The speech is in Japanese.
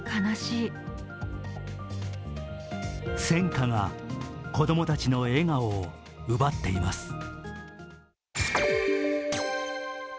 戦火が子供たちの笑顔を奪っています。